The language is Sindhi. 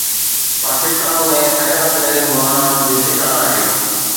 پاڪستان ۾ اعليٰ تعليم بحران جو شڪار آهي.